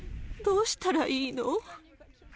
どうしたらいいの？